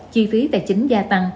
chi phí tài chính gia tăng